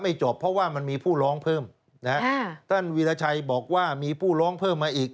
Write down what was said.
จบเพราะว่ามันมีผู้ร้องเพิ่มนะฮะท่านวีรชัยบอกว่ามีผู้ร้องเพิ่มมาอีก